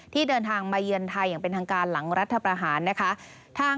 เดินทางมาเยือนไทยอย่างเป็นทางการหลังรัฐประหารนะคะ